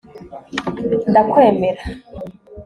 ndakwemera